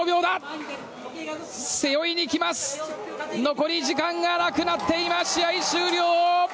残り時間がなくなって試合終了！